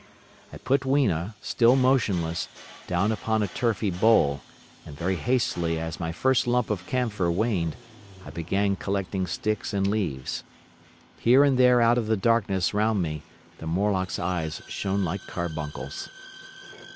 I put Weena, still motionless, down upon a turfy bole, and very hastily, as my first lump of camphor waned, I began collecting sticks and leaves. Here and there out of the darkness round me the Morlocks' eyes shone like carbuncles.